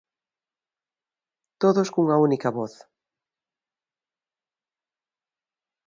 Todos cunha única voz.